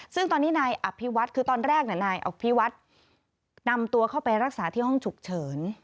ซึ่งตอนนี้นายอภิวัฒน์คือตอนแรกนายอภิวัฒน์นำตัวเข้าไปรักษาที่ห้องฉุกเฉิน